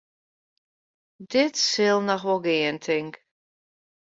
Dit sil noch wol gean, tink.